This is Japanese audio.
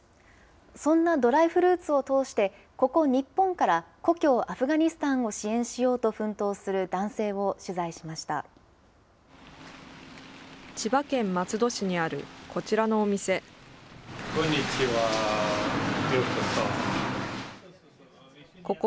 そんなドライフルーツを通して、ここ日本から故郷アフガニスタンを支援しようと奮闘する男性を取千葉県松戸市にあるこちらのこんにちは、ようこそ。